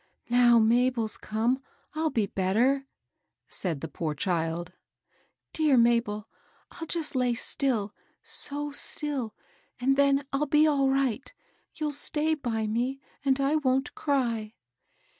Now Mabel's come, I'll be better," said the poor child. ^^ Dear Mabel I I'll just lay still, so still, and then I'll be all right You'll stay by me, and I wont cry."